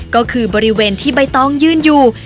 ก็คือบริเวณที่ใบตองยืนอยู่